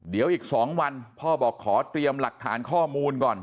เดี๋ยวอีก๒วันพ่อบอกขอเตรียมหลักฐานข้อมูลก่อน